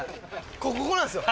ここなんですよ。